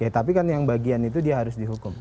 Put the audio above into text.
tapi kan yang bagian itu dia harus dihukum